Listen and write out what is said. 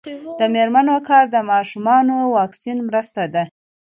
د میرمنو کار د ماشومانو واکسین مرسته ده.